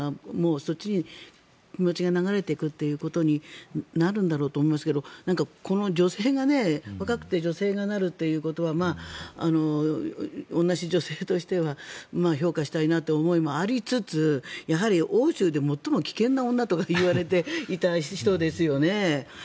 そっちに気持ちが流れていくということになるんだろうと思いますがこの女性が若くて女性がなるということは同じ女性としては評価したいなという思いもありつつやはり、欧州で最も危険な女といわれていた人ですよね。